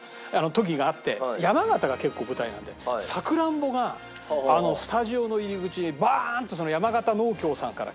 時があって山形が結構舞台なんでサクランボがスタジオの入り口にバーンと山形農協さんから来てたの。